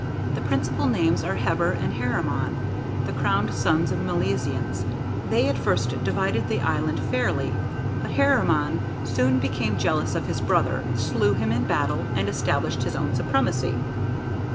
The principal names are: Heber and Heremhon, the crowned sons of Milesians; they at first divided the Island fairly, but Heremhon soon became jealous of his brother, slew him in battle, and established his own supremacy.